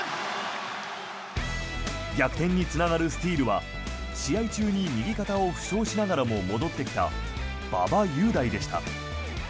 逆転につながるスチールは試合中に右肩を負傷しながらも戻ってきた馬場雄大でした。